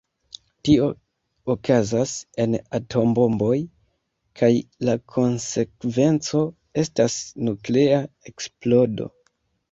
Tio okazas en atombomboj kaj la konsekvenco estas nuklea eksplodo.